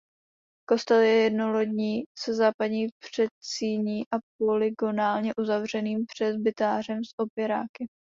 Kostel je jednolodní se západní předsíní a polygonálně uzavřeným presbytářem s opěráky.